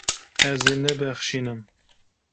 Ez ê nebexşînim.